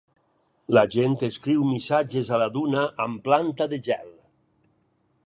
La gent escriu missatges a la duna amb planta de gel.